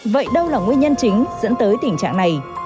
vậy đâu là nguyên nhân chính dẫn tới tình trạng này